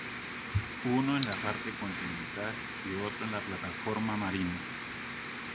Uno en la parte continental y otro en la plataforma marina.